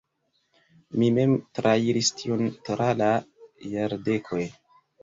Mi mem trairis tion tra la jardekoj.